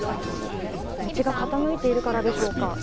道が傾いているからでしょうか？